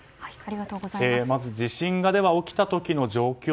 まず地震が起きた時の状況